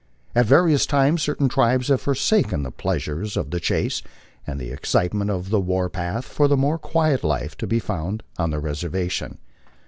At various times certain tribes have forsaken the pleasures of the chase and the excitement of the war path for the more quiet life to be found on the " reservation."